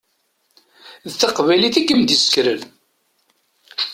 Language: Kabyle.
D taqbaylit i kem-id-yessekren.